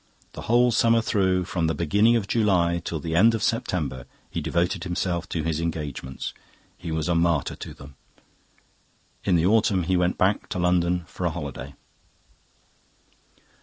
The whole summer through, from the beginning of July till the end of September, he devoted himself to his engagements; he was a martyr to them. In the autumn he went back to London for a holiday.